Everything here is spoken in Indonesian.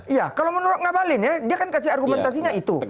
iya kalau menurut ngabalin ya dia kan kasih argumentasinya itu